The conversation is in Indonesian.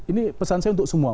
ini pesan saya untuk semua